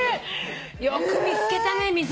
よく見つけたね溝。